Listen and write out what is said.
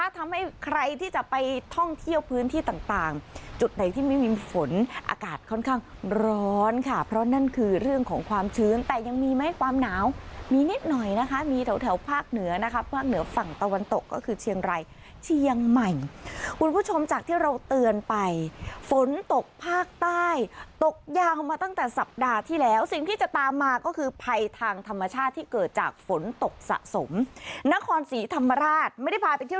ที่จะไปท่องเที่ยวพื้นที่ต่างจุดไหนที่ไม่มีฝนอากาศค่อนข้างร้อนค่ะเพราะนั่นคือเรื่องของความชื้นแต่ยังมีไหมความหนาวมีนิดหน่อยนะคะมีแถวแถวภาคเหนือนะครับฝั่งเหนือฝั่งตะวันตกก็คือเชียงไรเชียงใหม่คุณผู้ชมจากที่เราเตือนไปฝนตกภาคใต้ตกยาวมาตั้งแต่สัปดาห์ที่แล้วสิ่งที่จะตามมาก็